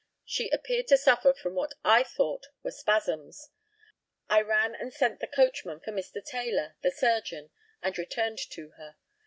She appeared to suffer from what I thought were spasms. I ran and sent the coachman for Mr. Taylor, the surgeon, and returned to her.